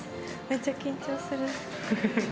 めっちゃ緊張する。